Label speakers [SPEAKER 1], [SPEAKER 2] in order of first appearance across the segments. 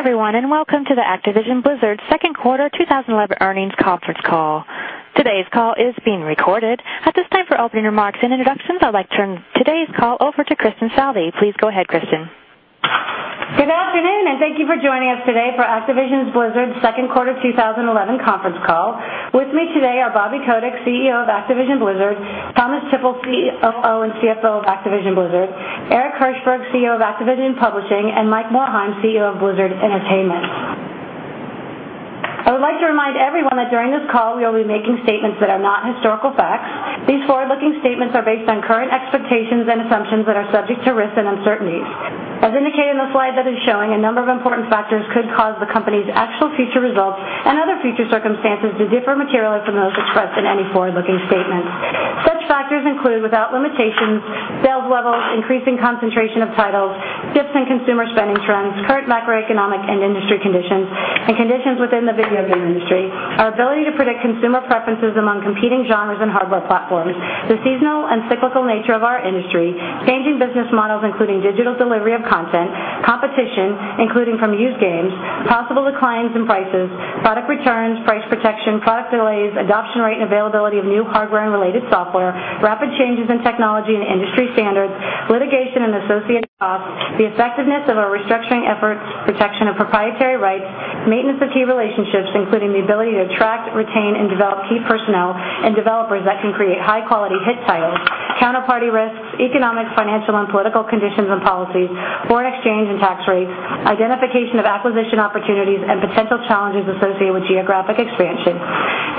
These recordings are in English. [SPEAKER 1] Good day, everyone, and welcome to the Activision Blizzard Second Quarter 2011 Earnings Conference Call. Today's call is being recorded. At this time, for opening remarks and introductions, I'd like to turn today's call over to Kristin Southey. Please go ahead, Kristin.
[SPEAKER 2] Good afternoon, and thank you for joining us today for Activision Blizzard's Second Quarter 2011 Conference Call. With me today are Bobby Kotick, CEO of Activision Blizzard; Thomas Tippl, COO and CFO of Activision Blizzard; Eric Hirshberg, CEO of Activision Publishing; and Mike Morhaime, CEO of Blizzard Entertainment. I would like to remind everyone that during this call, we will be making statements that are not historical facts. These forward-looking statements are based on current expectations and assumptions that are subject to risks and uncertainties. As indicated in the slide that is showing, a number of important factors could cause the company's actual future results and other future circumstances to differ materially from those expressed in any forward-looking statement. Such factors include, without limitation, sales levels, increasing concentration of titles, shifts in consumer spending trends, current macroeconomic and industry conditions, and conditions within the video game industry, our ability to predict consumer preferences among competing genres and hardware platforms, the seasonal and cyclical nature of our industry, changing business models including digital delivery of content, competition including from used games, possible declines in prices, product returns, price protection, product delays, adoption rate and availability of new hardware and related software, rapid changes in technology and industry standards, litigation and associated costs, the effectiveness of our restructuring effort, protection of proprietary rights, maintenance of key relationships including the ability to attract, retain, and develop key personnel and developers that can create high-quality hit titles, counterparty risks, economic, financial, and political conditions and policy, foreign exchange and tax rates, identification of acquisition opportunities, and potential challenges associated with geographic expansion.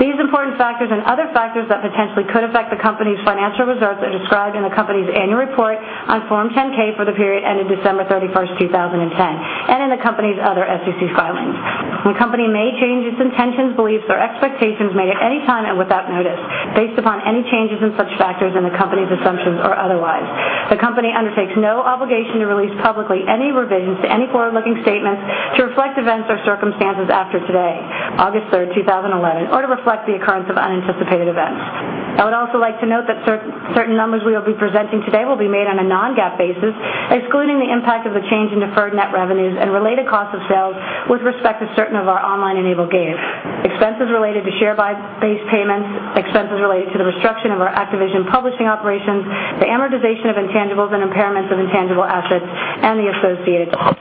[SPEAKER 2] These important factors and other factors that potentially could affect the company's financial results are described in the company's annual report on Form 10-K for the period ending December 31st, 2010, and in the company's other SEC filings. The company may change its intentions, beliefs, or expectations made at any time and without notice based upon any changes in such factors in the company's assumptions or otherwise. The company undertakes no obligation to release publicly any revisions to any forward-looking statement to reflect events or circumstances after today, August 3rd, 2011, or to reflect the occurrence of unanticipated events. I would also like to note that certain numbers we will be presenting today will be made on a non-GAAP basis, excluding the impact of the change in deferred net revenues and related costs of sales with respect to certain of our online-enabled games, expenses related to share-based payments, expenses related to the restructuring of our Activision Publishing operations, the amortization of intangibles and impairments of intangible assets, and the associated costs.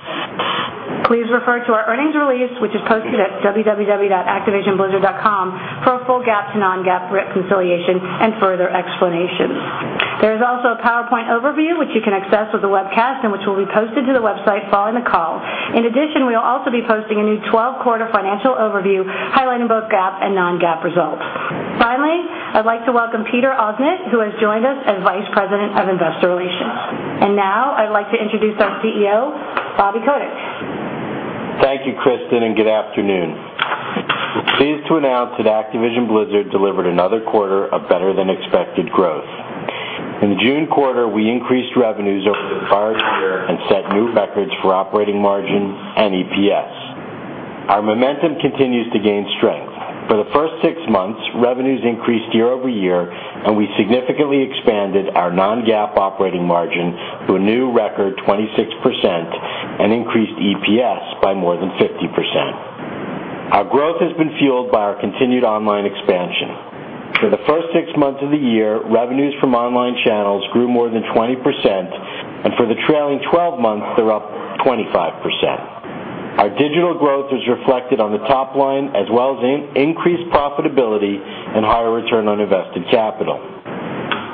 [SPEAKER 2] Please refer to our earnings release, which is posted at www.activisionblizzard.com, for a full GAAP to non-GAAP reconciliation and further explanations. There is also a PowerPoint overview, which you can access with the webcast and which will be posted to the website following the call. In addition, we will also be posting a new 12-quarter financial overview highlighting both GAAP and non-GAAP results. Finally, I'd like to welcome Peter Ausnit, who has joined us as Vice President of Investor Relations. I'd like to introduce our CEO, Bobby Kotick.
[SPEAKER 3] Thank you, Kristin, and good afternoon. Pleased to announce that Activision Blizzard delivered another quarter of better-than-expected growth. In the June quarter, we increased revenues over the prior year and set new records for operating margins and EPS. Our momentum continues to gain strength. For the first six months, revenues increased year-over-year, and we significantly expanded our non-GAAP operating margin to a new record 26% and increased EPS by more than 50%. Our growth has been fueled by our continued online expansion. For the first six months of the year, revenues from online channels grew more than 20%, and for the trailing 12 months, they're up 25%. Our digital growth is reflected on the top line as well as increased profitability and higher return on invested capital.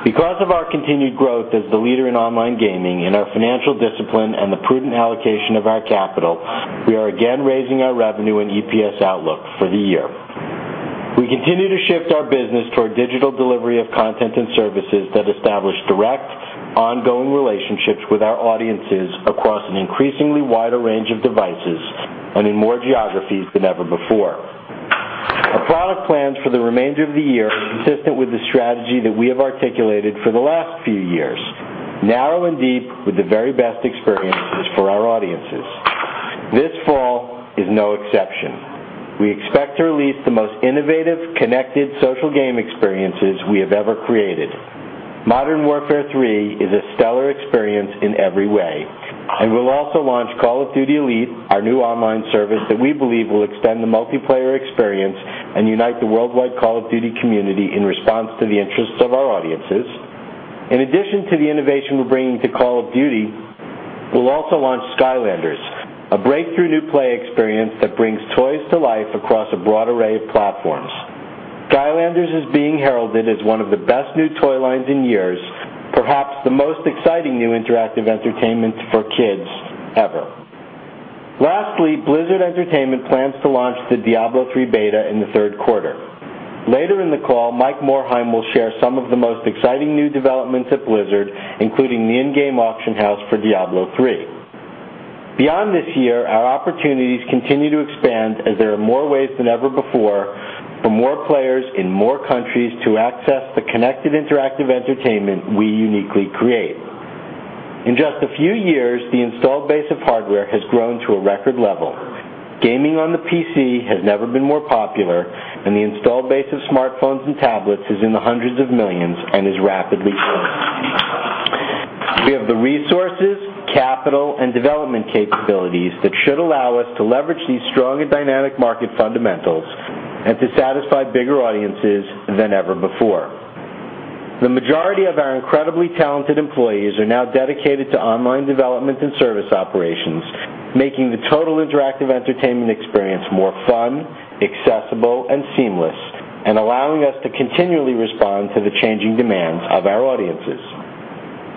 [SPEAKER 3] Because of our continued growth as the leader in online gaming in our financial discipline and the prudent allocation of our capital, we are again raising our revenue and EPS outlook for the year. We continue to shift our business toward digital delivery of content and services that establish direct, ongoing relationships with our audiences across an increasingly wider range of devices and in more geographies than ever before. Our product plans for the remainder of the year are consistent with the strategy that we have articulated for the last few years: narrow and deep, with the very best experiences for our audiences. This fall is no exception. We expect to release the most innovative, connected social game experiences we have ever created. Modern Warfare 3 is a stellar experience in every way. We will also launch Call of Duty: Elite, our new online service that we believe will extend the multiplayer experience and unite the worldwide Call of Duty community in response to the interests of our audiences. In addition to the innovation we're bringing to Call of Duty, we will also launch Skylanders, a breakthrough new play experience that brings toys to life across a broad array of platforms. Skylanders is being heralded as one of the best new toy lines in years, perhaps the most exciting new interactive entertainment for kids ever. Lastly, Blizzard Entertainment plans to launch the Diablo III beta in the third quarter. Later in the call, Mike Morhaime will share some of the most exciting new developments at Blizzard, including the in-game auction house for Diablo III. Beyond this year, our opportunities continue to expand as there are more ways than ever before for more players in more countries to access the connected interactive entertainment we uniquely create. In just a few years, the installed base of hardware has grown to a record level. Gaming on the PC has never been more popular, and the installed base of smartphones and tablets is in the hundreds of millions and is rapidly growing. We have the resources, capital, and development capabilities that should allow us to leverage these strong and dynamic market fundamentals and to satisfy bigger audiences than ever before. The majority of our incredibly talented employees are now dedicated to online development and service operations, making the total interactive entertainment experience more fun, accessible, and seamless, and allowing us to continually respond to the changing demands of our audiences.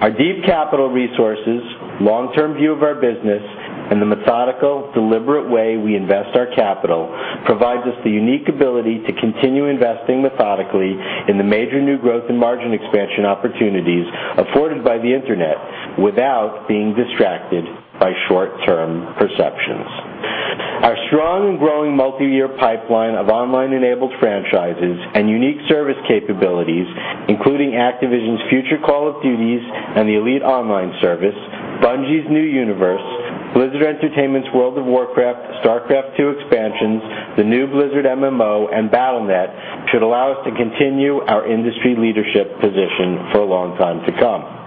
[SPEAKER 3] Our deep capital resources, long-term view of our business, and the methodical, deliberate way we invest our capital provide us the unique ability to continue investing methodically in the major new growth and margin expansion opportunities afforded by the internet without being distracted by short-term perceptions. Our strong and growing multi-year pipeline of online-enabled franchises and unique service capabilities, including Activision's future Call of Duty and the Elite online service, Bungie's new universe, Blizzard Entertainment's World of Warcraft, StarCraft II expansions, the new Blizzard MMO, and Battle.net should allow us to continue our industry leadership position for a long time to come.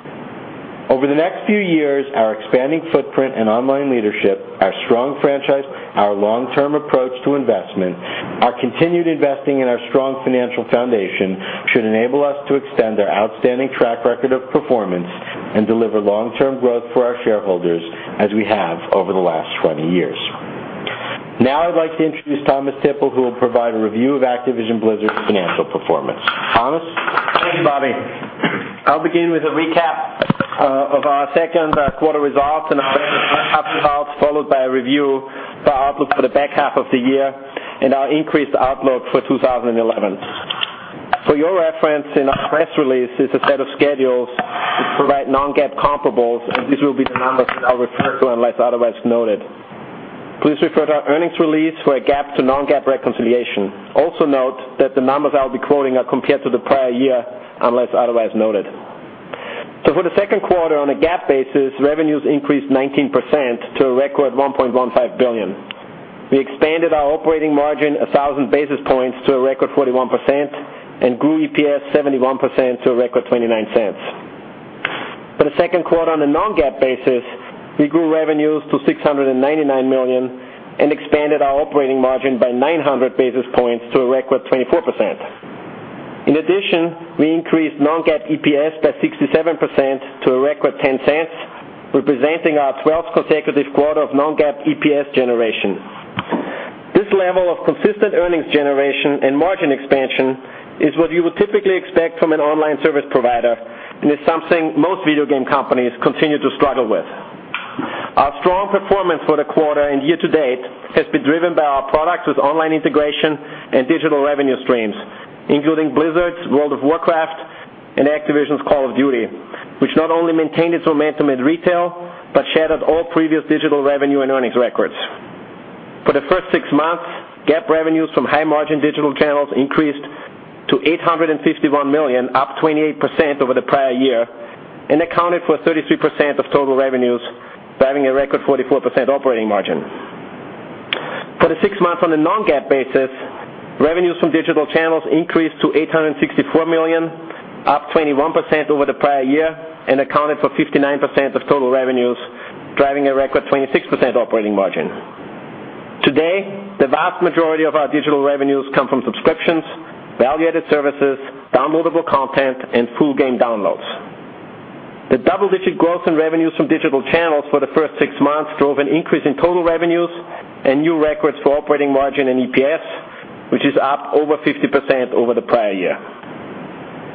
[SPEAKER 3] Over the next few years, our expanding footprint and online leadership, our strong franchise, our long-term approach to investment, our continued investing in our strong financial foundation should enable us to extend our outstanding track record of performance and deliver long-term growth for our shareholders as we have over the last 20 years. Now, I'd like to introduce Thomas Tippl, who will provide a review of Activision Blizzard's financial performance. Thomas?
[SPEAKER 4] Thank you, Bobby. I'll begin with a recap of our second quarter results and our half-results, followed by a review of our outlook for the back half of the year and our increased outlook for 2011. For your reference, in our press release, it's a state of schedule to provide non-GAAP comparables, and these will be the numbers that I'll refer to unless otherwise noted. Please refer to our earnings release for a GAAP to non-GAAP reconciliation. Also, note that the numbers I'll be quoting are compared to the prior year unless otherwise noted. For the second quarter, on a GAAP basis, revenues increased 19% to a record $1.15 billion. We expanded our operating margin 1,000 basis points to a record 41% and grew EPS 71% to a record $0.29. For the second quarter, on a non-GAAP basis, we grew revenues to $699 million and expanded our operating margin by 900 basis points to a record 24%. In addition, we increased non-GAAP EPS by 67% to a record $0.10, representing our 12th consecutive quarter of non-GAAP EPS generation. This level of consistent earnings generation and margin expansion is what you would typically expect from an online service provider and is something most video game companies continue to struggle with. Our strong performance for the quarter and year to date has been driven by our products with online integration and digital revenue streams, including Blizzard's World of Warcraft and Activision's Call of Duty, which not only maintained its momentum in retail but shattered all previous digital revenue and earnings records. For the first six months, GAAP revenues from high-margin digital channels increased to $851 million, up 28% over the prior year, and accounted for 33% of total revenues, driving a record 44% operating margin. For the six months on a non-GAAP basis, revenues from digital channels increased to $864 million, up 21% over the prior year, and accounted for 59% of total revenues, driving a record 26% operating margin. Today, the vast majority of our digital revenues come from subscriptions, value-added services, downloadable content, and full-game downloads. The double-digit growth in revenues from digital channels for the first six months drove an increase in total revenues and new records for operating margin and EPS, which is up over 50% over the prior year.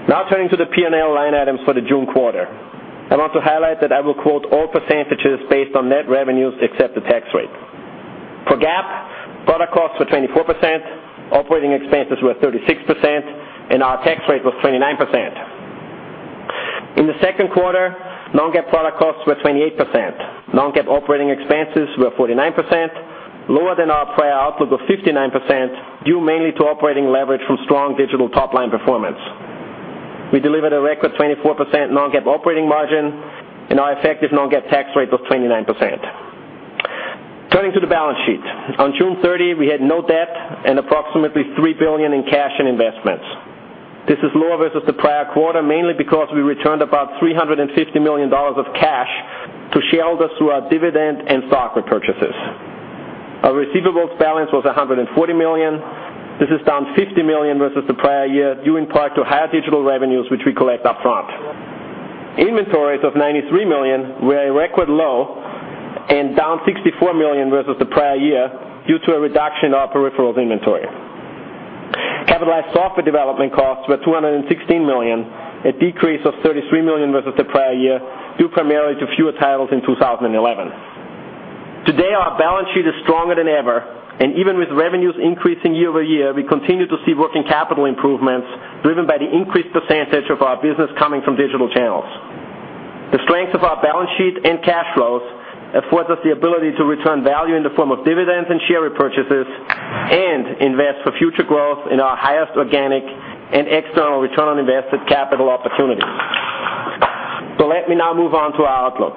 [SPEAKER 4] Now, turning to the P&L line items for the June quarter, I want to highlight that I will quote all percentages based on net revenues except the tax rate. For GAAP, product costs were 24%, operating expenses were 36%, and our tax rate was 29%. In the second quarter, non-GAAP product costs were 28%, non-GAAP operating expenses were 49%, lower than our prior outlook of 59%, due mainly to operating leverage from strong digital top-line performance. We delivered a record 24% non-GAAP operating margin, and our effective non-GAAP tax rate was 29%. Turning to the balance sheet, on June 30, we had no debt and approximately $3 billion in cash and investments. This is lower versus the prior quarter, mainly because we returned about $350 million of cash to shareholders through our dividend and stock repurchases. Our receivables balance was $140 million. This is down $50 million versus the prior year, due in part to higher digital revenues which we collect upfront. Inventories of $93 million were a record low and down $64 million versus the prior year due to a reduction in our peripherals inventory. Average software development costs were $216 million, a decrease of $33 million versus the prior year, due primarily to fewer titles in 2011. Today, our balance sheet is stronger than ever, and even with revenues increasing year-over-year, we continue to see working capital improvements driven by the increased percentage of our business coming from digital channels. The strength of our balance sheet and cash flows affords us the ability to return value in the form of dividends and share repurchases and invest for future growth in our highest organic and external return on invested capital opportunity. Let me now move on to our outlook.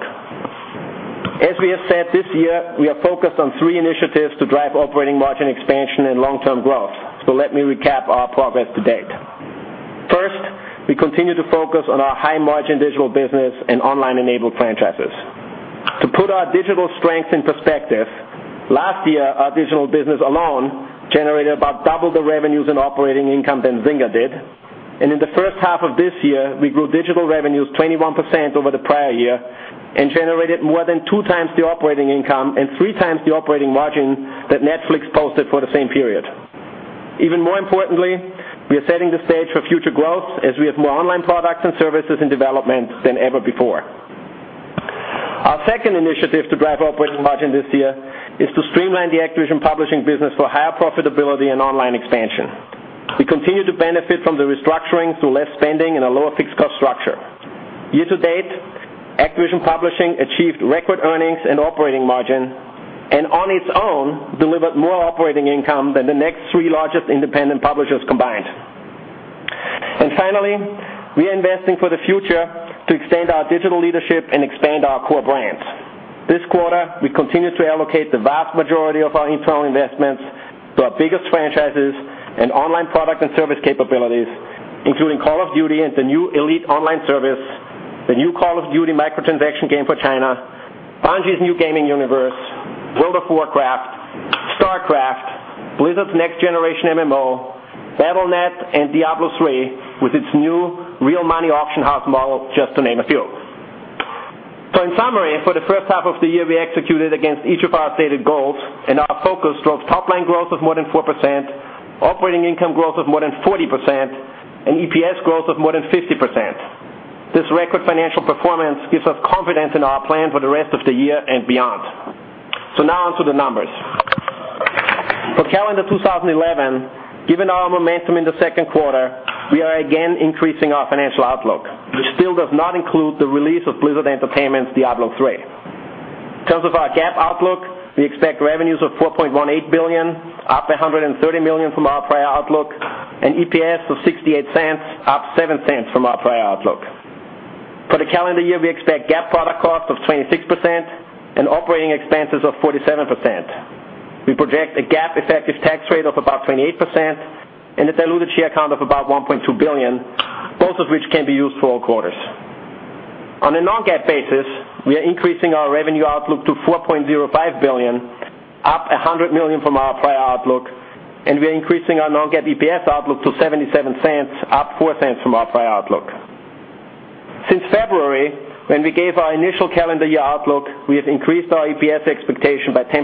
[SPEAKER 4] As we have said, this year, we are focused on three initiatives to drive operating margin expansion and long-term growth. Let me recap our progress to date. First, we continue to focus on our high-margin digital business and online-enabled franchises. To put our digital strengths in perspective, last year, our digital business alone generated about double the revenues and operating income than Zynga did. In the first half of this year, we grew digital revenues 21% over the prior year and generated more than 2x the operating income and 3x the operating margin that Netflix posted for the same period. Even more importantly, we are setting the stage for future growth as we have more online products and services in development than ever before. Our second initiative to drive operating margin this year is to streamline the Activision Publishing business for higher profitability and online expansion. We continue to benefit from the restructuring through less spending and a lower fixed cost structure. Year to date, Activision Publishing achieved record earnings and operating margin and on its own delivered more operating income than the next three largest independent publishers combined. Finally, we are investing for the future to extend our digital leadership and expand our core brands. This quarter, we continue to allocate the vast majority of our internal investments to our biggest franchises and online product and service capabilities, including Call of Duty and the new Elite online service, the new Call of Duty microtransaction game for Tencent, Bungie's new gaming universe, World of Warcraft, StarCraft, Blizzard's next-generation MMO, Battle.net, and Diablo III with its new real-money auction house model, just to name a few. In summary, for the first half of the year, we executed against each of our stated goals, and our focus drove top-line growth of more than 4%, operating income growth of more than 40%, and EPS growth of more than 50%. This record financial performance gives us confidence in our plan for the rest of the year and beyond. Now onto the numbers. For calendar 2011, given our momentum in the second quarter, we are again increasing our financial outlook. This still does not include the release of Blizzard Entertainment's Diablo III. In terms of our GAAP outlook, we expect revenues of $4.18 billion, up $130 million from our prior outlook, and EPS of $0.68, up $0.07 from our prior outlook. For the calendar year, we expect GAAP product cost of 26% and operating expenses of 47%. We project a GAAP effective tax rate of about 28% and a diluted share count of about 1.2 billion, both of which can be used for all quarters. On a non-GAAP basis, we are increasing our revenue outlook to $4.05 billion, up $100 million from our prior outlook, and we are increasing our non-GAAP EPS outlook to $0.77, up $0.04 from our prior outlook. Since February, when we gave our initial calendar year outlook, we have increased our EPS expectation by 10%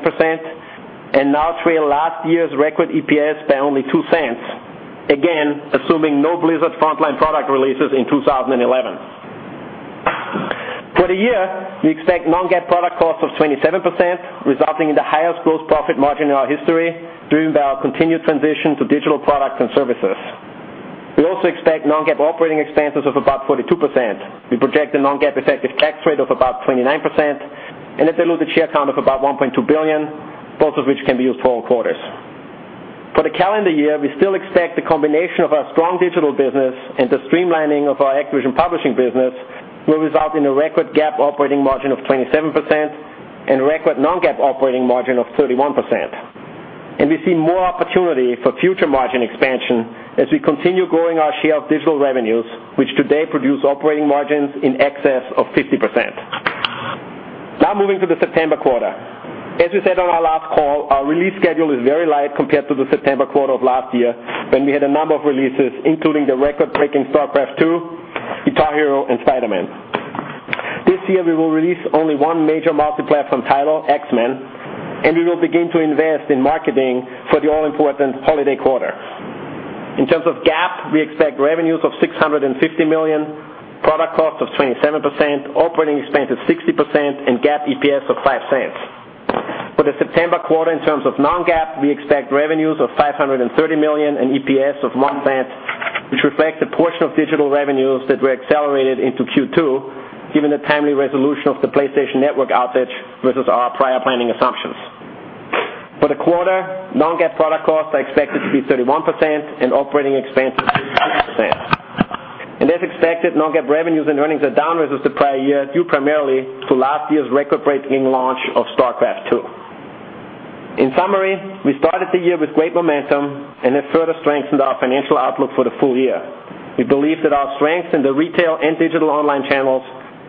[SPEAKER 4] and now trail last year's record EPS by only $0.02, again assuming no Blizzard front-line product releases in 2011. For the year, we expect non-GAAP product cost of 27%, resulting in the highest gross profit margin in our history, driven by our continued transition to digital products and services. We also expect non-GAAP operating expenses of about 42%. We project a non-GAAP effective tax rate of about 29% and a diluted share count of about 1.2 billion, both of which can be used for all quarters. For the calendar year, we still expect the combination of our strong digital business and the streamlining of our Activision Publishing business will result in a record GAAP operating margin of 27% and a record non-GAAP operating margin of 31%. We see more opportunity for future margin expansion as we continue growing our share of digital revenues, which today produce operating margins in excess of 50%. Now moving to the September quarter. As we said on our last call, our release schedule is very light compared to the September quarter of last year, when we had a number of releases, including the record-breaking StarCraft II, Guitar Hero, and Spider-Man. This year, we will release only one major multi-platform title, X-Men, and we will begin to invest in marketing for the all-important holiday quarter. In terms of GAAP, we expect revenues of $650 million, product cost of 27%, operating expenses 60%, and GAAP EPS of $0.05. For the September quarter, in terms of non-GAAP, we expect revenues of $530 million and EPS of $0.01, which reflects a portion of digital revenues that were accelerated into Q2, given the timely resolution of the PlayStation Network outage versus our prior planning assumptions. For the quarter, non-GAAP product costs are expected to be 31% and operating expenses 30%. As expected, non-GAAP revenues and earnings are down versus the prior year, due primarily to last year's record-breaking launch of StarCraft II. In summary, we started the year with great momentum and have further strengthened our financial outlook for the full year. We believe that our strengths in the retail and digital online channels,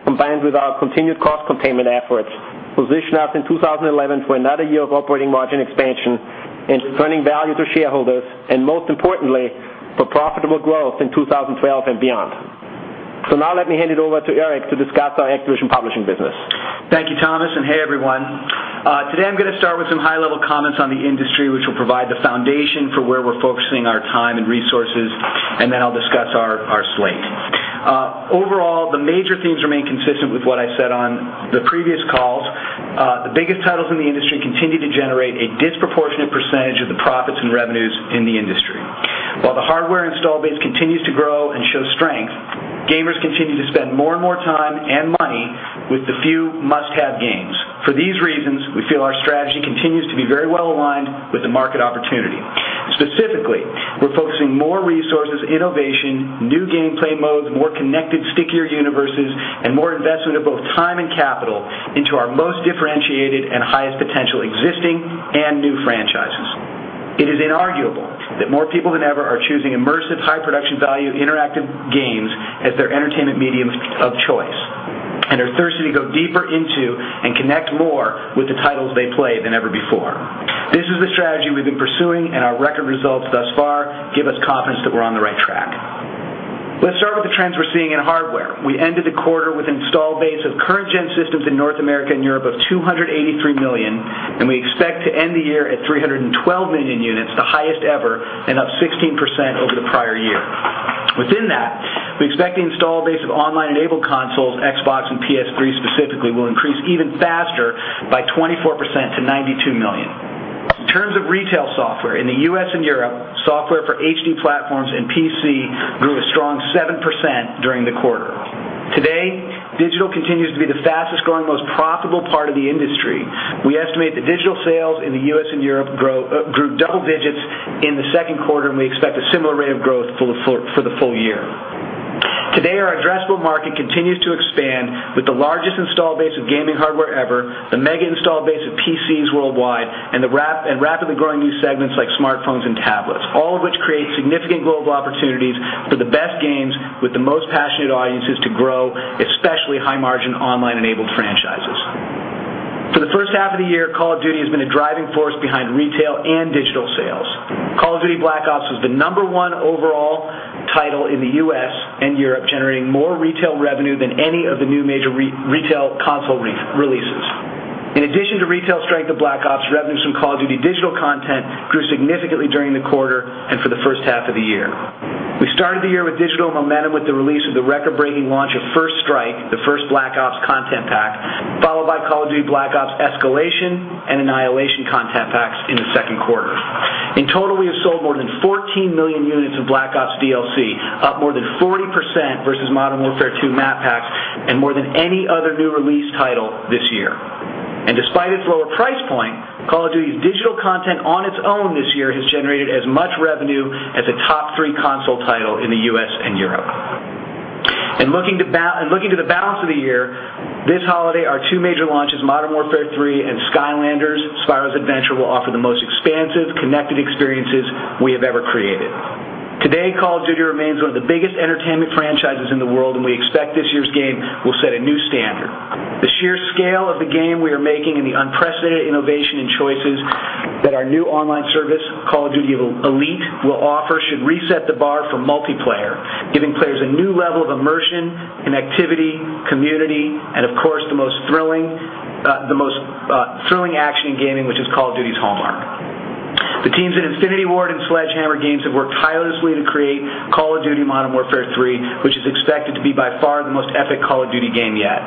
[SPEAKER 4] combined with our continued cost containment efforts, position us in 2011 for another year of operating margin expansion and returning value to shareholders, and most importantly, for profitable growth in 2012 and beyond. Let me hand it over to Eric to discuss our Activision Publishing business.
[SPEAKER 5] Thank you, Thomas, and hey, everyone. Today I'm going to start with some high-level comments on the industry, which will provide the foundation for where we're focusing our time and resources, and then I'll discuss our slates. Overall, the major themes remain consistent with what I said on the previous calls. The biggest titles in the industry continue to generate a disproportionate percentage of the profits and revenues in the industry. While the hardware install base continues to grow and show strength, gamers continue to spend more and more time and money with the few must-have games. For these reasons, we feel our strategy continues to be very well aligned with the market opportunity. Specifically, we're focusing more resources, innovation, new gameplay modes, more connected, stickier universes, and more investment of both time and capital into our most differentiated and highest potential existing and new franchises. It is inarguable that more people than ever are choosing immersive, high production value interactive games as their entertainment medium of choice and are thirsty to go deeper into and connect more with the titles they play than ever before. This is the strategy we've been pursuing, and our record results thus far give us confidence that we're on the right track. Let's start with the trends we're seeing in hardware. We ended the quarter with an install base of current-gen systems in North America and Europe of 283 million, and we expect to end the year at 312 million units, the highest ever, and up 16% over the prior year. Within that, we expect the install base of online-enabled consoles, Xbox and PS3 specifically, will increase even faster by 24% to 92 million. In terms of retail software in the U.S. and Europe, software for HD platforms and PC grew a strong 7% during the quarter. Today, digital continues to be the fastest growing, most profitable part of the industry. We estimate the digital sales in the U.S. and Europe grew double digits in the second quarter, and we expect a similar rate of growth for the full year. Today, our addressable market continues to expand with the largest install base of gaming hardware ever, the mega install base of PCs worldwide, and rapidly growing new segments like smartphones and tablets, all of which create significant global opportunities for the best games with the most passionate audiences to grow, especially high-margin online-enabled franchises. For the first half of the year, Call of Duty has been a driving force behind retail and digital sales. Call of Duty: Black Ops was the number one overall title in the U.S. and Europe, generating more retail revenue than any of the new major retail console releases. In addition to retail strength of Black Ops, revenues from Call of Duty digital content grew significantly during the quarter and for the first half of the year. We started the year with digital momentum with the release of the record-breaking launch of First Strike, the first Black Ops content pack, followed by Call of Duty: Black Ops Escalation and Annihilation content packs in the second quarter. In total, we have sold more than 14 million units of Black Ops DLC, up more than 40% versus Modern Warfare 2 map packs and more than any other new release title this year. Despite its lower price point, Call of Duty's digital content on its own this year has generated as much revenue as the top three console titles in the U.S. and Europe. Looking to the balance of the year, this holiday, our two major launches, Modern Warfare 3 and Skylanders: Spyro’s Adventure, will offer the most expansive, connected experiences we have ever created. Today, Call of Duty remains one of the biggest entertainment franchises in the world, and we expect this year's game will set a new standard. The sheer scale of the game we are making and the unprecedented innovation in choices that our new online service, Call of Duty: Elite, will offer should reset the bar for multiplayer, giving players a new level of immersion, connectivity, community, and of course, the most thrilling action in gaming, which is Call of Duty's hallmark. The teams at Infinity Ward and Sledgehammer Games have worked tirelessly to create Call of Duty: Modern Warfare 3, which is expected to be by far the most epic Call of Duty game yet.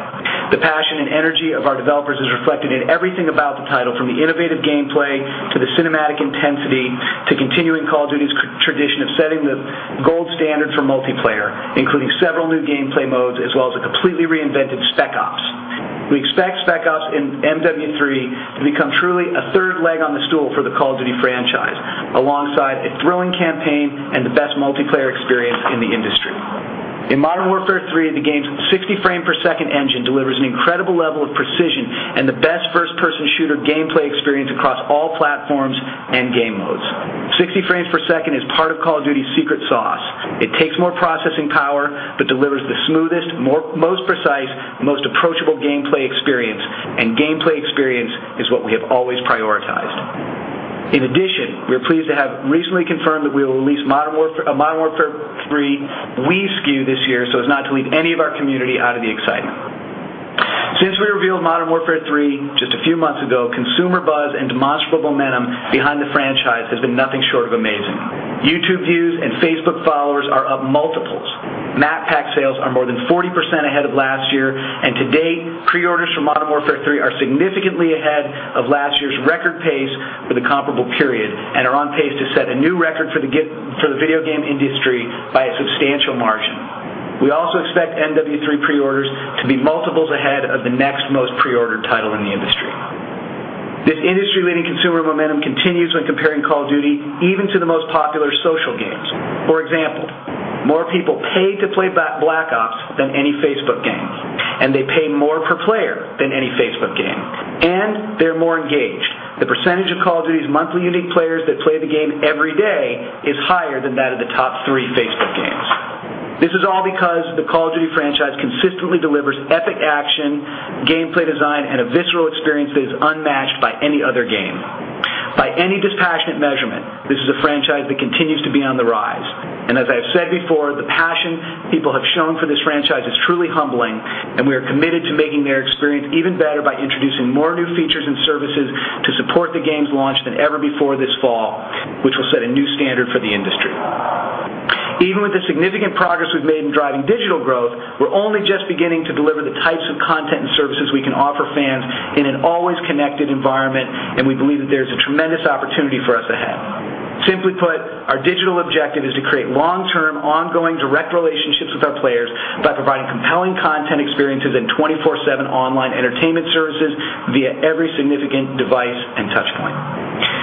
[SPEAKER 5] The passion and energy of our developers is reflected in everything about the title, from the innovative gameplay to the cinematic intensity, to continuing Call of Duty's tradition of setting the gold standard for multiplayer, including several new gameplay modes as well as a completely reinvented Spec Ops. We expect Spec Ops and MW 3 to become truly a third leg on the stool for the Call of Duty franchise, alongside a thrilling campaign and the best multiplayer experience in the industry. In Modern Warfare 3, the game's 60 frame per second engine delivers an incredible level of precision and the best first-person shooter gameplay experience across all platforms and game modes. 60 frames per second is part of Call of Duty's secret sauce. It takes more processing power but delivers the smoothest, most precise, most approachable gameplay experience, and gameplay experience is what we have always prioritized. In addition, we are pleased to have recently confirmed that we will release the Modern Warfare 3 Wii SKU this year, so as not to leave any of our community out of the excitement. Since we revealed Modern Warfare 3 just a few months ago, consumer buzz and demonstrable momentum behind the franchise has been nothing short of amazing. YouTube views and Facebook followers are up multiples. Map pack sales are more than 40% ahead of last year, and today, pre-orders for Modern Warfare 3 are significantly ahead of last year's record pace for the comparable period and are on pace to set a new record for the video game industry by a substantial margin. We also expect MW 3 pre-orders to be multiples ahead of the next most pre-ordered title in the industry. This industry-leading consumer momentum continues when comparing Call of Duty even to the most popular social games. For example, more people pay to play Black Ops than any Facebook game, and they pay more per player than any Facebook game, and they're more engaged. The percentage of Call of Duty's monthly unique players that play the game every day is higher than that of the top three Facebook games. This is all because the Call of Duty franchise consistently delivers epic action, gameplay design, and a visceral experience that is unmatched by any other game. By any dispassionate measurement, this is a franchise that continues to be on the rise. As I've said before, the passion people have shown for this franchise is truly humbling, and we are committed to making their experience even better by introducing more new features and services to support the game's launch than ever before this fall, which will set a new standard for the industry. Even with the significant progress we've made in driving digital growth, we're only just beginning to deliver the types of content and services we can offer fans in an always connected environment, and we believe that there is a tremendous opportunity for us ahead. Simply put, our digital objective is to create long-term, ongoing direct relationships with our players by providing compelling content experiences and 24/7 online entertainment services via every significant device and touchpoint.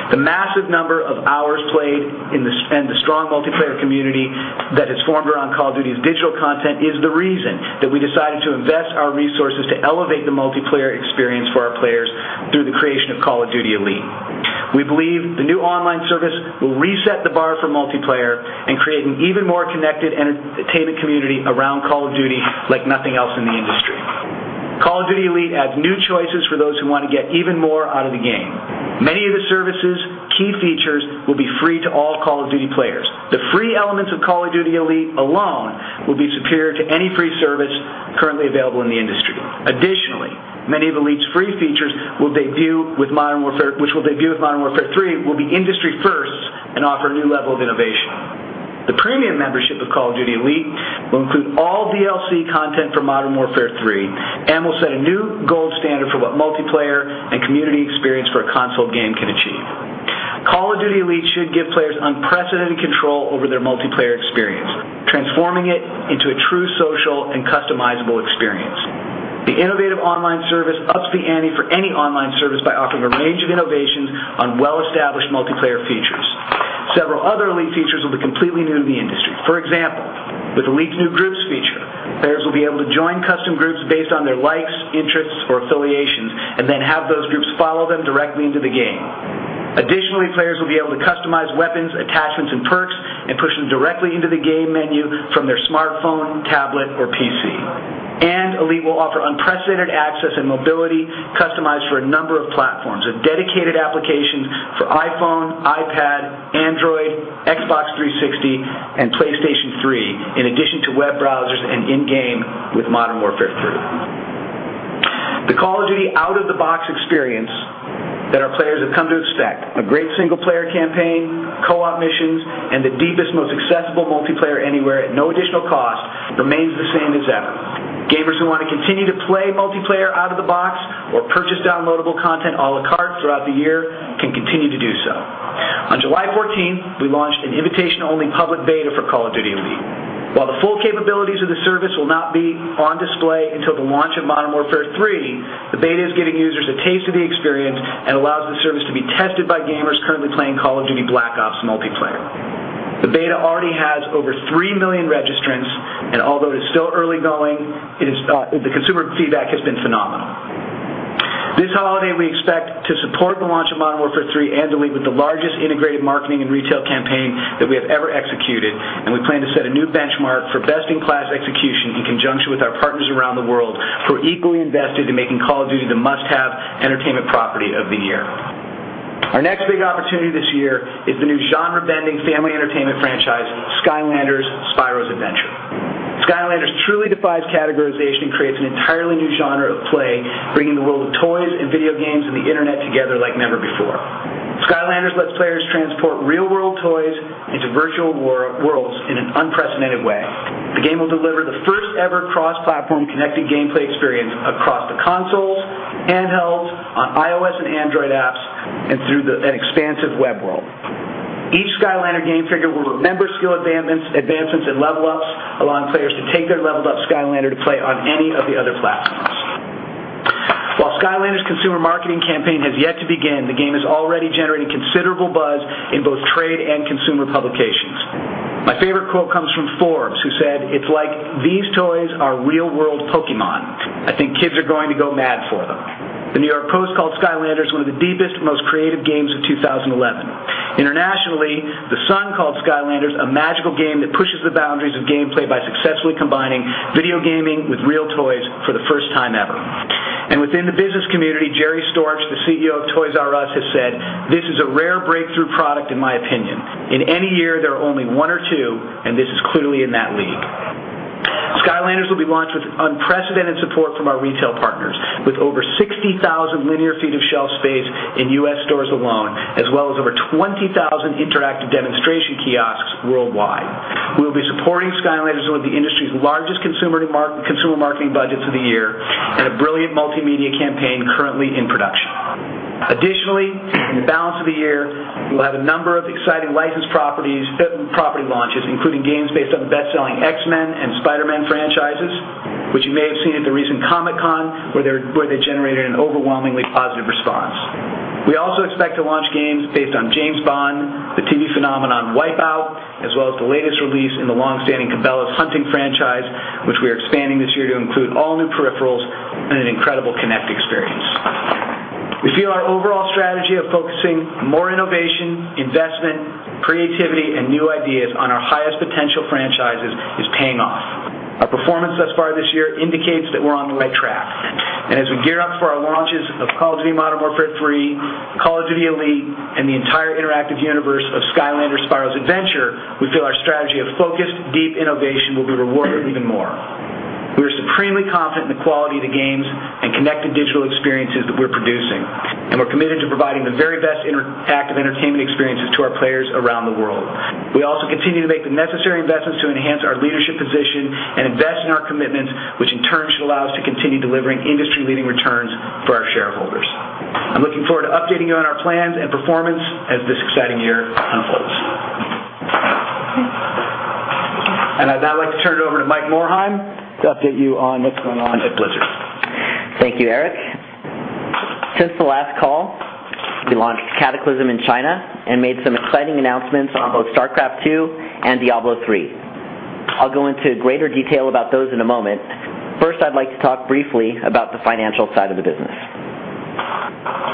[SPEAKER 5] The massive number of hours played and the strong multiplayer community that has formed around Call of Duty's digital content is the reason that we decided to invest our resources to elevate the multiplayer experience for our players through the creation of Call of Duty: Elite. We believe the new online service will reset the bar for multiplayer and create an even more connected entertainment community around Call of Duty like nothing else in the industry. Call of Duty: Elite adds new choices for those who want to get even more out of the game. Many of the services' key features will be free to all Call of Duty players. The free elements of Call of Duty: Elite alone will be superior to any free service currently available in the industry. Additionally, many of Elite's free features will debut with Modern Warfare 3, will be industry-first and offer a new level of innovation. The premium membership of Call of Duty: Elite will include all DLC content for Modern Warfare 3 and will set a new gold standard for what multiplayer and community experience for a console game can achieve. Call of Duty: Elite should give players unprecedented control over their multiplayer experience, transforming it into a true social and customizable experience. The innovative online service ups the ante for any online service by offering a range of innovations on well-established multiplayer features. Several other Elite features will be completely new to the industry. For example, with Elite's new groups feature, players will be able to join custom groups based on their likes, interests, or affiliations and then have those groups follow them directly into the game. Additionally, players will be able to customize weapons, attachments, and perks and push them directly into the game menu from their smartphone, tablet, or PC. Elite will offer unprecedented access and mobility customized for a number of platforms, a dedicated application for iPhone, iPad, Android, Xbox 360, and PlayStation 3, in addition to web browsers and in-game with Modern Warfare 3. The Call of Duty out-of-the-box experience that our players have come to expect, a great single-player campaign, co-op missions, and the deepest, most accessible multiplayer anywhere at no additional cost remains the same as ever. Gamers who want to continue to play multiplayer out of the box or purchase downloadable content a la carte throughout the year can continue to do so. On July 14, we launched an invitation-only public beta for Call of Duty: Elite. While the full capabilities of the service will not be on display until the launch of Modern Warfare 3, the beta is giving users a taste of the experience and allows the service to be tested by gamers currently playing Call of Duty: Black Ops multiplayer. The beta already has over 3 million registrants, and although it is still early going, the consumer feedback has been phenomenal. This holiday, we expect to support the launch of Modern Warfare 3 and Elite with the largest integrated marketing and retail campaign that we have ever executed, and we plan to set a new benchmark for best-in-class execution in conjunction with our partners around the world who are equally invested in making Call of Duty the must-have entertainment property of the year. Our next big opportunity this year is the new genre-bending family entertainment franchise Skylanders: Spyro’s Adventure. Skylanders truly defies categorization and creates an entirely new genre of play, bringing the world of toys and video games and the internet together like never before. Skylanders lets players transport real-world toys into virtual worlds in an unprecedented way. The game will deliver the first-ever cross-platform connected gameplay experience across the console, handheld, on iOS and Android apps, and through an expansive web world. Each Skylanders game figure will remember skill advancements and level up, allowing players to take their leveled-up Skylander to play on any of the other platforms. While Skylanders’ consumer marketing campaign has yet to begin, the game is already generating considerable buzz in both trade and consumer publications. My favorite quote comes from Forbes, who said, "It's like these toys are real-world Pokémon. I think kids are going to go mad for them." The New York Post called Skylanders one of the deepest, most creative games of 2011. Internationally, The Sun called Skylanders a magical game that pushes the boundaries of gameplay by successfully combining video gaming with real toys for the first time ever. Within the business community, Jerry Storch, the CEO of Toys R Us, has said, "This is a rare breakthrough product in my opinion. In any year, there are only one or two, and this is clearly in that league." Skylanders will be launched with unprecedented support from our retail partners, with over 60,000 linear feet of shelf space in U.S. stores alone, as well as over 20,000 interactive demonstration kiosks worldwide. We will be supporting Skylanders with the industry's largest consumer marketing budgets of the year and a brilliant multimedia campaign currently in production. Additionally, in the balance of the year, we'll have a number of exciting licensed property launches, including games based on the best-selling X-Men and Spider-Man franchises, which you may have seen at the recent Comic-Con where they generated an overwhelmingly positive response. We also expect to launch games based on James Bond, the TV phenomenon Wipeout, as well as the latest release in the longstanding Cabela's hunting franchise, which we are expanding this year to include all new peripherals and an incredible Kinect experience. We feel our overall strategy of focusing more innovation, investment, creativity, and new ideas on our highest potential franchises is paying off. Our performance thus far this year indicates that we're on the right track. As we gear up for our launches of Call of Duty: Modern Warfare 3, Call of Duty: Elite, and the entire interactive universe of Skylanders: Spyro’s Adventure, we feel our strategy of focused, deep innovation will be rewarded even more. We are supremely confident in the quality of the games and connected digital experiences that we're producing, and we're committed to providing the very best interactive entertainment experiences to our players around the world. We also continue to make the necessary investments to enhance our leadership position and invest in our commitments, which in turn should allow us to continue delivering industry-leading returns for our shareholders. I'm looking forward to updating you on our plans and performance as this exciting year unfolds. I'd now like to turn it over to Mike Morhaime to update you on what's going on at Blizzard.
[SPEAKER 6] Thank you, Eric. Since the last call, we launched Cataclysm in China and made some exciting announcements on both StarCraft II and Diablo III. I'll go into greater detail about those in a moment. First, I'd like to talk briefly about the financial side of the business.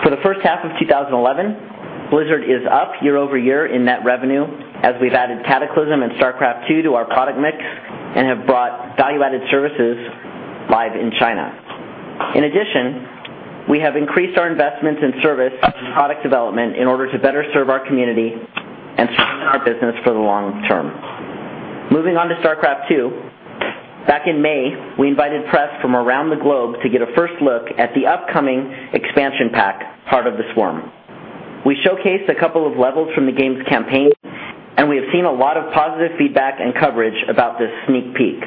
[SPEAKER 6] For the first half of 2011, Blizzard is up year-over-year in net revenue as we've added Cataclysm and StarCraft II to our product mix and have brought value-added services live in China. In addition, we have increased our investments in service and product development in order to better serve our community and strengthen our business for the long term. Moving on to StarCraft II, back in May, we invited press from around the globe to get a first look at the upcoming expansion pack, Heart of the Swarm. We showcased a couple of levels from the game's campaign, and we have seen a lot of positive feedback and coverage about this sneak peek.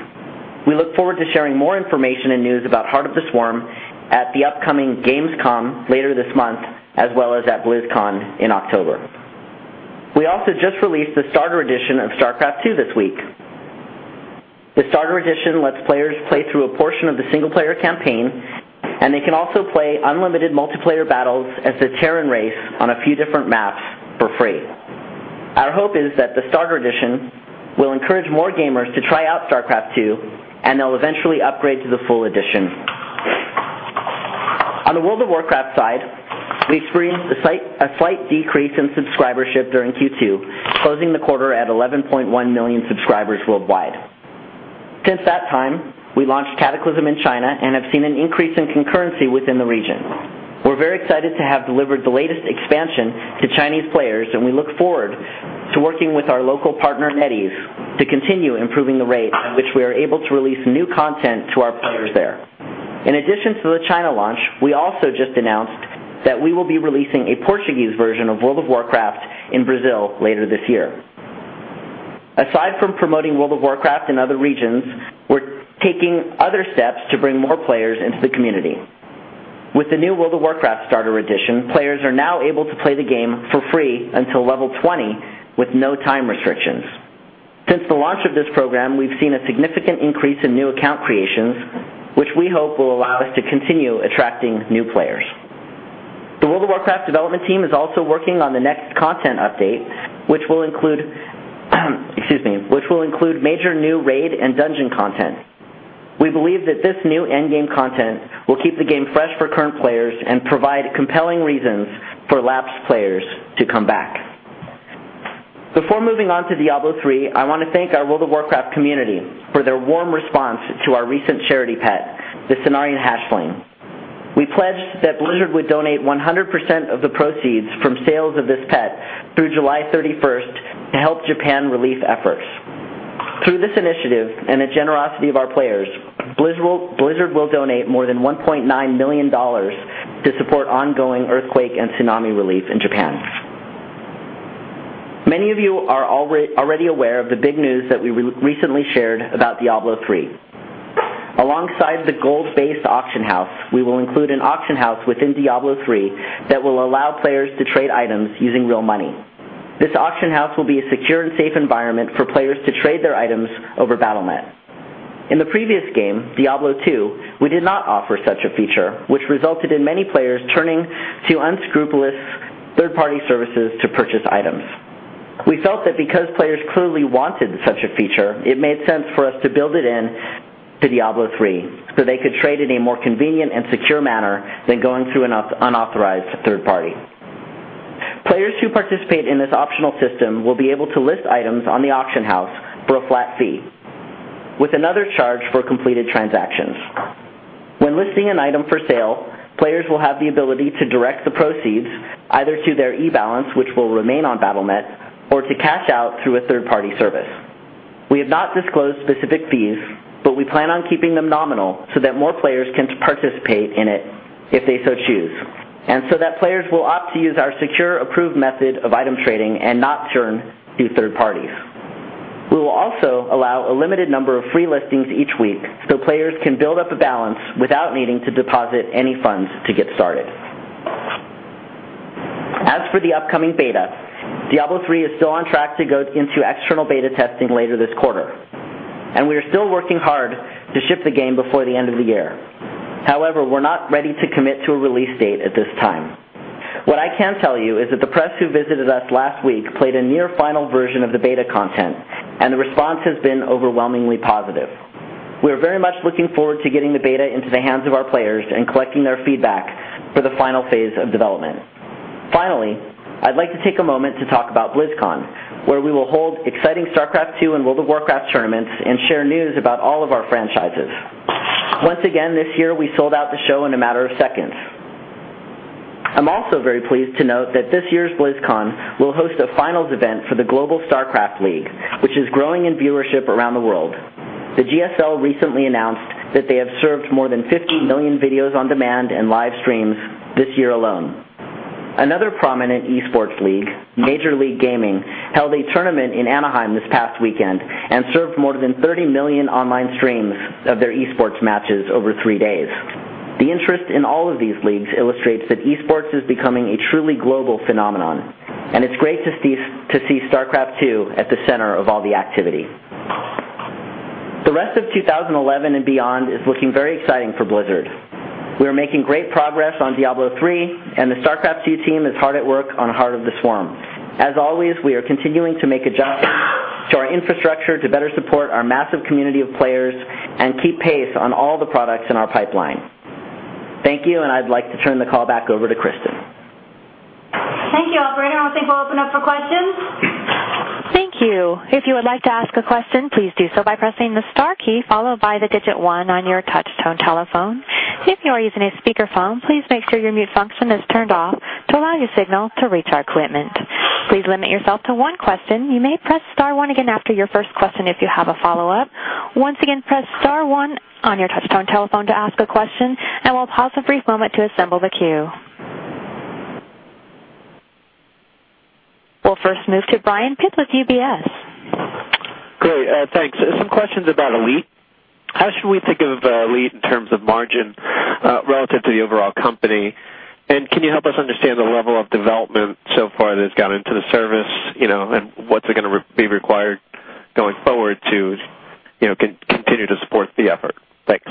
[SPEAKER 6] We look forward to sharing more information and news about Heart of the Swarm at the upcoming Gamescom later this month, as well as at BlizzCon in October. We also just released the starter edition of StarCraft II this week. The starter edition lets players play through a portion of the single-player campaign, and they can also play unlimited multiplayer battles as the Terran race on a few different maps for free. Our hope is that the starter edition will encourage more gamers to try out StarCraft II, and they'll eventually upgrade to the full edition. On the World of Warcraft side, we've seen a slight decrease in subscribership during Q2, closing the quarter at 11.1 million subscribers worldwide. Since that time, we launched Cataclysm in China and have seen an increase in concurrency within the region. We're very excited to have delivered the latest expansion to Chinese players, and we look forward to working with our local partner, NetEase, to continue improving the rate at which we are able to release new content to our players there. In addition to the China launch, we also just announced that we will be releasing a Portuguese version of World of Warcraft in Brazil later this year. Aside from promoting World of Warcraft in other regions, we're taking other steps to bring more players into the community. With the new World of Warcraft starter edition, players are now able to play the game for free until level 20 with no time restrictions. Since the launch of this program, we've seen a significant increase in new account creations, which we hope will allow us to continue attracting new players. The World of Warcraft development team is also working on the next content update, which will include major new raid and dungeon content. We believe that this new endgame content will keep the game fresh for current players and provide compelling reasons for lapsed players to come back. Before moving on to Diablo III, I want to thank our World of Warcraft community for their warm response to our recent charity pet, the Cenarion Hatchling. We pledged that Blizzard would donate 100% of the proceeds from sales of this pet through July 31st to help Japan relief efforts. Through this initiative and the generosity of our players, Blizzard will donate more than $1.9 million to support ongoing earthquake and tsunami relief in Japan. Many of you are already aware of the big news that we recently shared about Diablo III. Alongside the gold-based auction house, we will include an auction house within Diablo III that will allow players to trade items using real money. This auction house will be a secure and safe environment for players to trade their items over Battle.net. In the previous game, Diablo II, we did not offer such a feature, which resulted in many players turning to unscrupulous third-party services to purchase items. We felt that because players clearly wanted such a feature, it made sense for us to build it into Diablo III so they could trade in a more convenient and secure manner than going through an unauthorized third party. Players who participate in this optional system will be able to list items on the auction house for a flat fee, with another charge for completed transactions. When listing an item for sale, players will have the ability to direct the proceeds either to their e-balance, which will remain on Battle.net, or to cash out through a third-party service. We have not disclosed specific fees, but we plan on keeping them nominal so that more players can participate in it if they so choose, and so that players will opt to use our secure, approved method of items trading and not churn through third parties. We will also allow a limited number of free listings each week so players can build up a balance without needing to deposit any funds to get started. As for the upcoming beta, Diablo III is still on track to go into external beta testing later this quarter, and we are still working hard to ship the game before the end of the year. However, we're not ready to commit to a release date at this time. What I can tell you is that the press who visited us last week played a near-final version of the beta content, and the response has been overwhelmingly positive. We are very much looking forward to getting the beta into the hands of our players and collecting their feedback for the final phase of development. Finally, I'd like to take a moment to talk about BlizzCon, where we will hold exciting StarCraft II and World of Warcraft tournaments and share news about all of our franchises. Once again, this year, we sold out the show in a matter of seconds. I'm also very pleased to note that this year's BlizzCon will host a finals event for the global StarCraft League, which is growing in viewership around the world. The GSL recently announced that they have served more than 50 million videos on demand and live streams this year alone. Another prominent eSports league, Major League Gaming, held a tournament in Anaheim this past weekend and served more than 30 million online streams of their eSports matches over three days. The interest in all of these leagues illustrates that eSports is becoming a truly global phenomenon, and it's great to see StarCraft II at the center of all the activity. The rest of 2011 and beyond is looking very exciting for Blizzard. We are making great progress on Diablo III, and the StarCraft II team is hard at work on Heart of the Swarm. As always, we are continuing to make adjustments to our infrastructure to better support our massive community of players and keep pace on all the products in our pipeline. Thank you, and I'd like to turn the call back over to Kristin.
[SPEAKER 2] Thank you. Operator, I think we'll open up for questions.
[SPEAKER 1] Thank you. If you would like to ask a question, please do so by pressing the star key followed by the digit one on your touch-tone telephone. If you are using a speakerphone, please make sure your mute function is turned off to allow your signal to reach our equipment. Please limit yourself to one question. You may press star one again after your first question if you have a follow-up. Once again, press star one on your touch-tone telephone to ask a question, and we'll pause a brief moment to assemble the queue. We'll first move to Brian Pitz with UBS.
[SPEAKER 7] Great. Thanks. Some questions about Elite. How should we think of Elite in terms of margin relative to the overall company? Can you help us understand the level of development so far that has gone into the service, and what's it going to be required going forward to continue to support the effort? Thanks.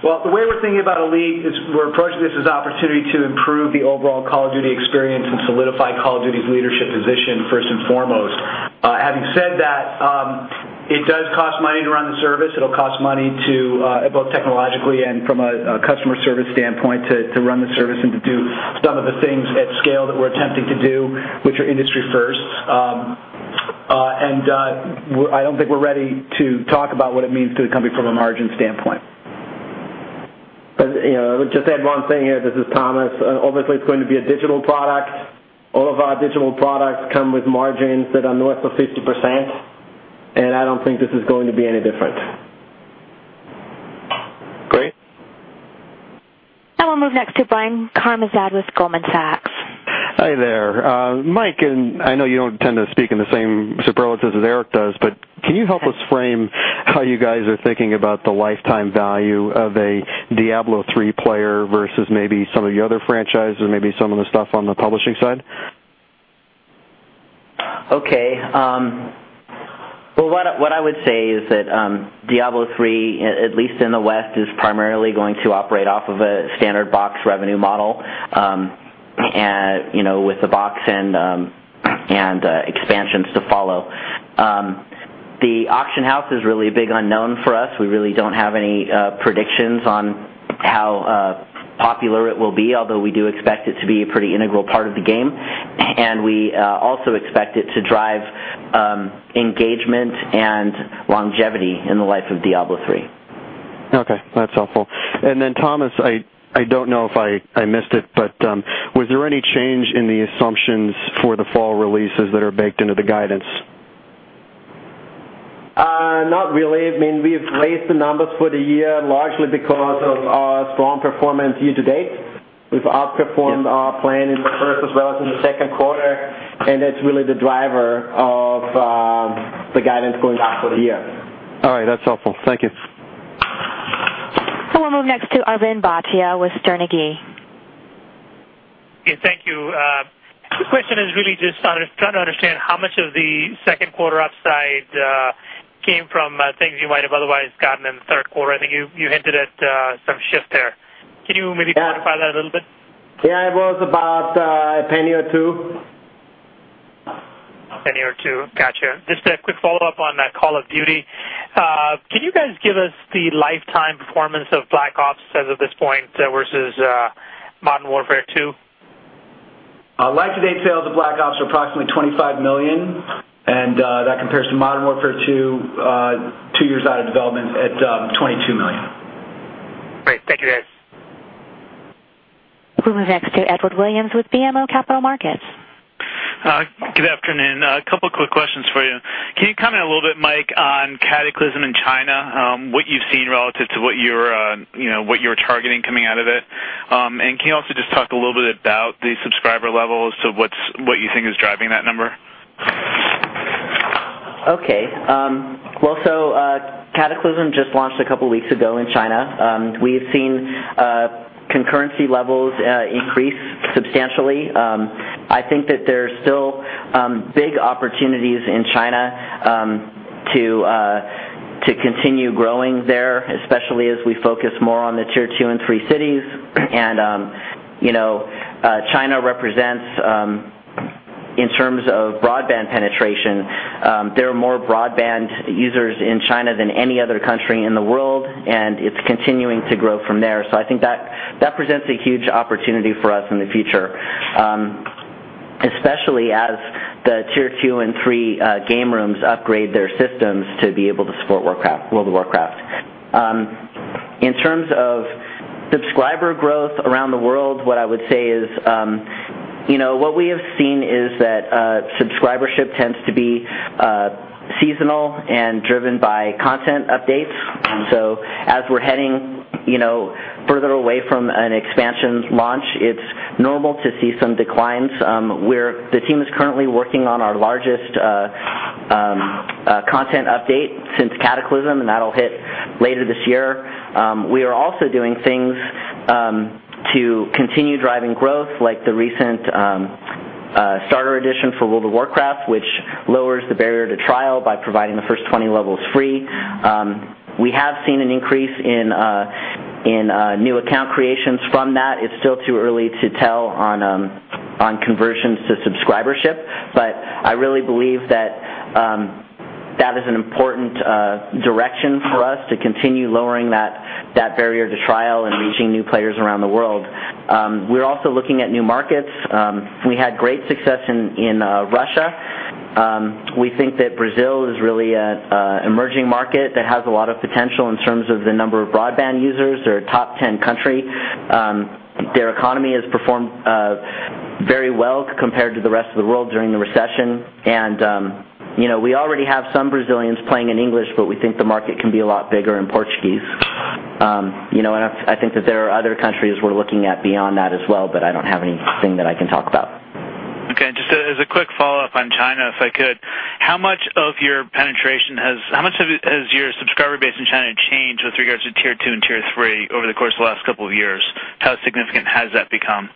[SPEAKER 5] The way we're thinking about Elite is we're approaching this as an opportunity to improve the overall Call of Duty experience and solidify Call of Duty's leadership position first and foremost. Having said that, it does cost money to run the service. It'll cost money both technologically and from a customer service standpoint to run the service and to do some of the things at scale that we're attempting to do, which are industry-first. I don't think we're ready to talk about what it means to the company from a margin standpoint.
[SPEAKER 4] I would just add one thing here. This is Thomas. Obviously, it's going to be a digital product. All of our digital products come with margins that are north of 50%, and I don't think this is going to be any different.
[SPEAKER 7] Great.
[SPEAKER 1] Now we'll move next to Brian Karimzad with Goldman Sachs.
[SPEAKER 8] Hi there. Mike, I know you don't tend to speak in the same superlatives as Eric does, but can you help us frame how you guys are thinking about the lifetime value of a Diablo III player versus maybe some of your other franchises, maybe some of the stuff on the publishing side?
[SPEAKER 6] Okay. What I would say is that Diablo III, at least in the West, is primarily going to operate off of a standard box revenue model, you know, with the box and expansions to follow. The auction house is really a big unknown for us. We really don't have any predictions on how popular it will be, although we do expect it to be a pretty integral part of the game. We also expect it to drive engagement and longevity in the life of Diablo III.
[SPEAKER 8] Okay. That's helpful. Thomas, I don't know if I missed it, but was there any change in the assumptions for the fall releases that are baked into the guidance?
[SPEAKER 4] Not really. We've raised the numbers for the year largely because of our strong performance year to date. We've outperformed our plan in the first as well as in the second quarter, and that's really the driver of the guidance going out for the year.
[SPEAKER 8] All right. That's helpful. Thank you.
[SPEAKER 1] We will move next to Arvind Bhatia with Sterne Agee.
[SPEAKER 9] Thank you. The question is really just trying to understand how much of the second quarter upside came from things you might have otherwise gotten in the third quarter. I think you hinted at some shift there. Can you maybe clarify that a little bit?
[SPEAKER 4] Yeah, it was about $0.01 or $0.02.
[SPEAKER 9] $0.01 or $0.02. Gotcha. Just a quick follow-up on Call of Duty. Can you guys give us the lifetime performance of Black Ops as of this point versus Modern Warfare 2?
[SPEAKER 5] Our life-to-date sales of Black Ops are approximately 25 million units, and that compares to Modern Warfare 2, two years out of development, at 22 million units.
[SPEAKER 9] Great. Thank you, guys.
[SPEAKER 1] We'll move next to Edward Williams with BMO Capital Markets.
[SPEAKER 10] Good afternoon. A couple of quick questions for you. Can you comment a little bit, Mike, on Cataclysm in China, what you've seen relative to what you're targeting coming out of it? Can you also just talk a little bit about the subscriber levels to what you think is driving that number?
[SPEAKER 6] Cataclysm just launched a couple of weeks ago in China. We've seen concurrency levels increase substantially. I think that there's still big opportunities in China to continue growing there, especially as we focus more on the tier two and three cities. China represents, in terms of broadband penetration, there are more broadband users in China than any other country in the world, and it's continuing to grow from there. I think that presents a huge opportunity for us in the future, especially as the tier two and three game rooms upgrade their systems to be able to support World of Warcraft. In terms of subscriber growth around the world, what I would say is, what we have seen is that subscribership tends to be seasonal and driven by content updates. As we're heading further away from an expansion launch, it's normal to see some declines. The team is currently working on our largest content update since Cataclysm, and that'll hit later this year. We are also doing things to continue driving growth, like the recent starter edition for World of Warcraft, which lowers the barrier to trial by providing the first 20 levels free. We have seen an increase in new account creations from that. It's still too early to tell on conversions to subscribership, but I really believe that that is an important direction for us to continue lowering that barrier to trial and reaching new players around the world. We're also looking at new markets. We had great success in Russia. We think that Brazil is really an emerging market that has a lot of potential in terms of the number of broadband users. They're a top 10 country. Their economy has performed very well compared to the rest of the world during the recession. We already have some Brazilians playing in English, but we think the market can be a lot bigger in Portuguese. I think that there are other countries we're looking at beyond that as well, but I don't have anything that I can talk about.
[SPEAKER 10] Okay. Just as a quick follow-up on China, if I could, how much of your penetration has, how much has your subscriber base in China changed with regards to tier two and tier three over the course of the last couple of years? How significant has that become?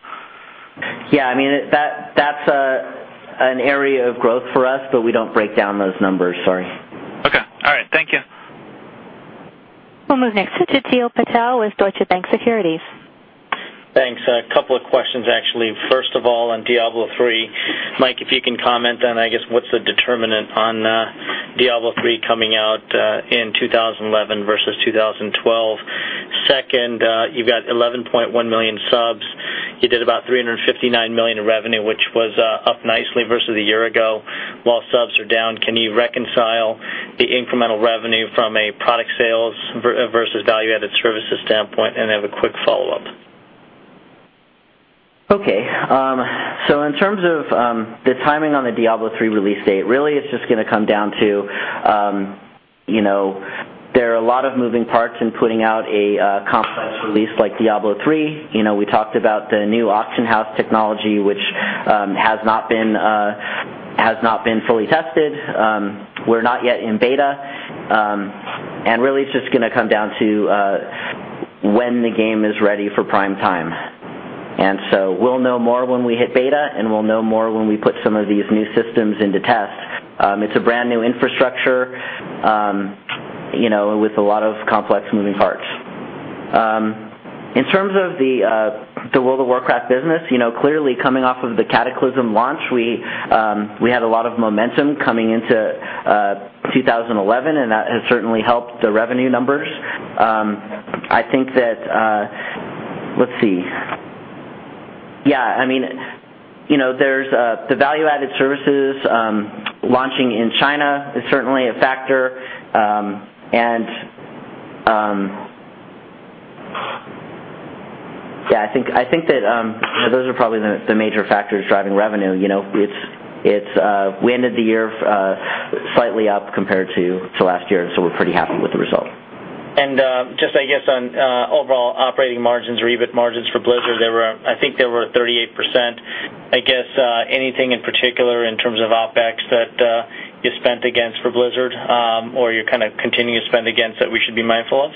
[SPEAKER 6] Yeah, I mean, that's an area of growth for us, but we don't break down those numbers, sorry.
[SPEAKER 10] Okay. All right. Thank you.
[SPEAKER 1] We'll move next to Jeetil Patel with Deutsche Bank Securities.
[SPEAKER 11] Thanks. A couple of questions, actually. First of all, on Diablo III, Mike, if you can comment on, I guess, what's the determinant on Diablo III coming out in 2011 versus 2012? Second, you've got 11.1 million subs. You did about $359 million in revenue, which was up nicely versus a year ago. While subs are down, can you reconcile the incremental revenue from a product sales versus value-added services standpoint? I have a quick follow-up.
[SPEAKER 6] In terms of the timing on the Diablo III release date, really, it's just going to come down to, you know, there are a lot of moving parts in putting out a confluence release like Diablo III. We talked about the new auction house technology, which has not been fully tested. We're not yet in beta. It's just going to come down to when the game is ready for prime time. We'll know more when we hit beta, and we'll know more when we put some of these new systems into test. It's a brand new infrastructure, with a lot of complex moving parts. In terms of the World of Warcraft business, clearly coming off of the Cataclysm launch, we had a lot of momentum coming into 2011, and that has certainly helped the revenue numbers. I think that, let's see, yeah, there's the value-added services launching in China is certainly a factor. I think that those are probably the major factors driving revenue. We ended the year slightly up compared to last year, so we're pretty happy with the result.
[SPEAKER 11] Just, I guess, on overall operating margins or EBIT margins for Blizzard, I think they were 38%. I guess, anything in particular in terms of OpEx that you spent against for Blizzard or you're kind of continuing to spend against that we should be mindful of?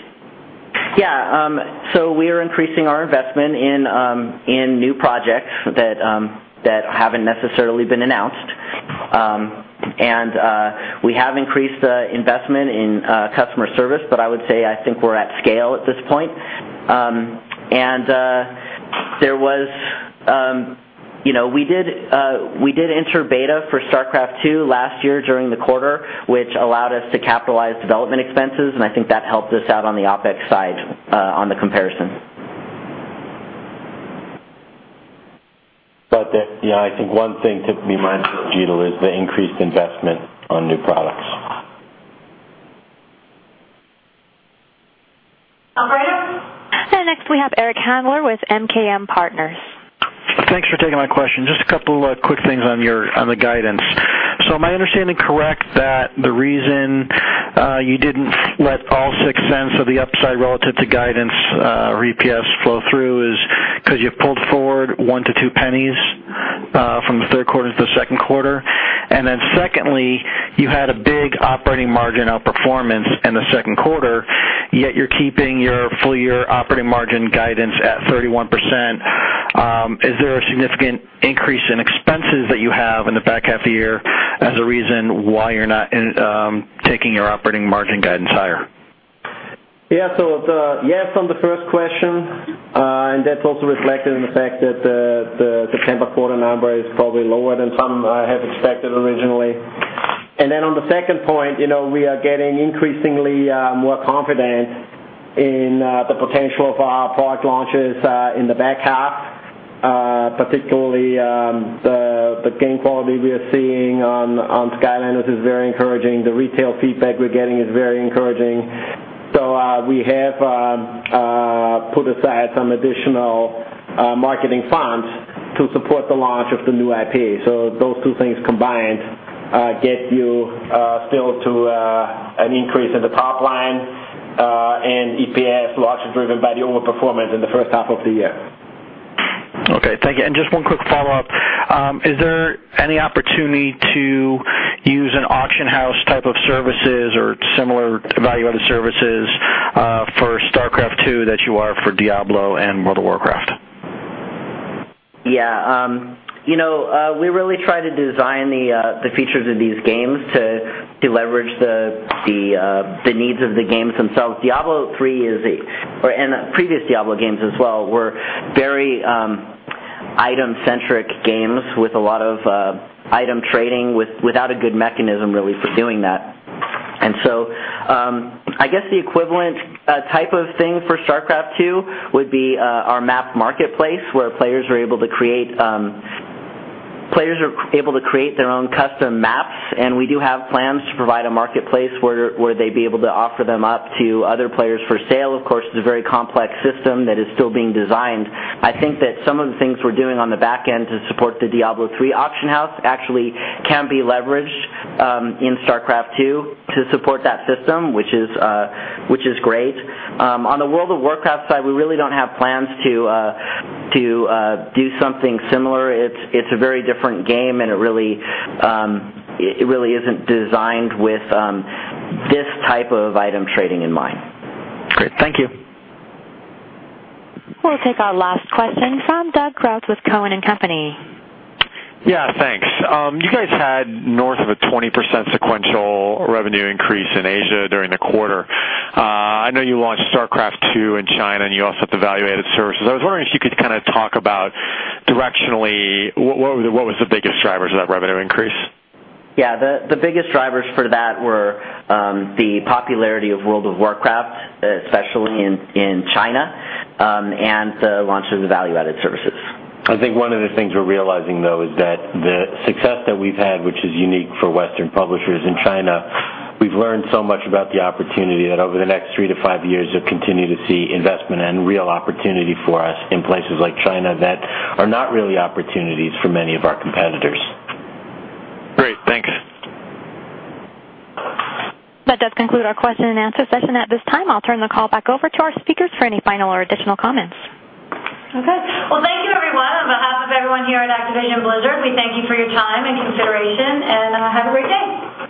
[SPEAKER 6] Yeah. We are increasing our investment in new projects that haven't necessarily been announced. We have increased investment in customer service. I would say I think we're at scale at this point. We did enter beta for StarCraft II last year during the quarter, which allowed us to capitalize development expenses, and I think that helped us out on the OpEx side on the comparison.
[SPEAKER 3] I think one thing to be mindful of, Jeetil, is the increased investment on new products.
[SPEAKER 1] Next, we have Eric Handler with MKM Partners.
[SPEAKER 12] Thanks for taking my question. Just a couple of quick things on the guidance. Am I understanding correct that the reason you didn't let all $0.06 of the upside relative to guidance EPS flow through is because you pulled forward $0.01-$0.02 from the third quarter into the second quarter? Secondly, you had a big operating margin outperformance in the second quarter, yet you're keeping your full-year operating margin guidance at 31%. Is there a significant increase in expenses that you have in the back half of the year as a reason why you're not taking your operating margin guidance higher?
[SPEAKER 4] Yeah. Yes on the first question, and that's also reflected in the fact that the September quarter number is probably lower than some have expected originally. On the second point, we are getting increasingly more confident in the potential of our product launches in the back half, particularly the game quality we are seeing on Skylanders is very encouraging. The retail feedback we're getting is very encouraging. We have put aside some additional marketing funds to support the launch of the new IP. Those two things combined get you still to an increase in the top line and EPS largely driven by the overperformance in the first half of the year.
[SPEAKER 12] Thank you. Just one quick follow-up. Is there any opportunity to use an auction house type of services or similar value-added services for StarCraft II that you are for Diablo and World of Warcraft?
[SPEAKER 6] Yeah. You know, we really try to design the features of these games to leverage the needs of the games themselves. Diablo III and previous Diablo games as well were very item-centric games with a lot of item trading without a good mechanism really for doing that. I guess the equivalent type of thing for StarCraft II would be our map marketplace where players are able to create their own custom maps. We do have plans to provide a marketplace where they'd be able to offer them up to other players for sale. Of course, it's a very complex system that is still being designed. I think that some of the things we're doing on the back end to support the Diablo III auction house actually can be leveraged in StarCraft II to support that system, which is great. On the World of Warcraft side, we really don't have plans to do something similar. It's a very different game, and it really isn't designed with this type of item trading in mind.
[SPEAKER 12] Great. Thank you.
[SPEAKER 1] We'll take our last question from Doug Creutz with Cowen and Company.
[SPEAKER 13] Yeah, thanks. You guys had north of a 20% sequential revenue increase in Asia during the quarter. I know you launched StarCraft II in China, and you also have the value-added services. I was wondering if you could kind of talk about directionally what was the biggest drivers of that revenue increase?
[SPEAKER 6] Yeah. The biggest drivers for that were the popularity of World of Warcraft, especially in China, and the launch of the value-added services.
[SPEAKER 3] I think one of the things we're realizing, though, is that the success that we've had, which is unique for Western publishers in China, we've learned so much about the opportunity that over the next three to five years, you'll continue to see investment and real opportunity for us in places like China that are not really opportunities for many of our competitors.
[SPEAKER 13] Great. Thanks.
[SPEAKER 1] That does conclude our question and answer session at this time. I'll turn the call back over to our speakers for any final or additional comments.
[SPEAKER 2] Thank you, everyone. On behalf of everyone here at Activision Blizzard, we thank you for your time and consideration, and have a great day.